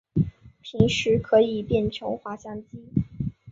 平时可以变成滑翔机。